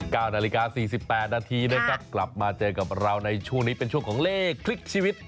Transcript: นาฬิกาสี่สิบแปดนาทีนะครับกลับมาเจอกับเราในช่วงนี้เป็นช่วงของเลขคลิกชีวิต